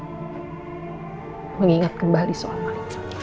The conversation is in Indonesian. saat untuk mengingat kembali soal malam